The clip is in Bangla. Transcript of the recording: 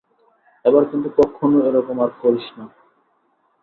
এবার, কিন্তু কক্ষনো এরকম আর করিাসনি!